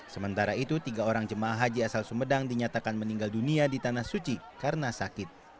sementara itu tiga orang jemaah haji asal sumedang dinyatakan meninggal dunia di tanah suci karena sakit